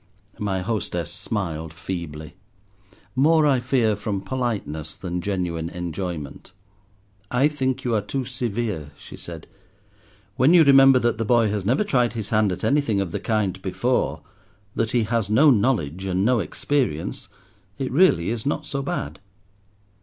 My hostess smiled feebly; more, I fear, from politeness than genuine enjoyment. "I think you are too severe," she said. "When you remember that the boy has never tried his hand at anything of the kind before, that he has no knowledge and no experience, it really is not so bad."